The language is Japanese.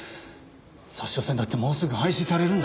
札沼線だってもうすぐ廃止されるんだ。